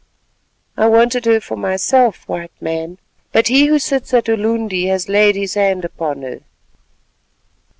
"I wanted her for myself, White Man, but he who sits at Ulundi has laid his hand upon her."